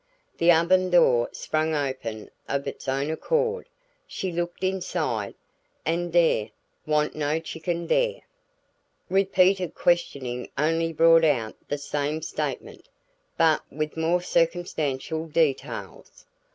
The oven door sprang open of its own accord; she looked inside, and "dere wa'n't no chicken dere!" Repeated questioning only brought out the same statement but with more circumstantial details.